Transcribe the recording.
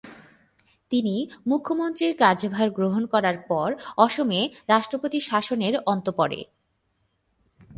তিনি মুখ্যমন্ত্রীর কার্যভার গ্রহণ করার পর অসমে রাষ্ট্রপতি শাসনের অন্ত পরে।